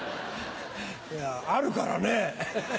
いやあるからね。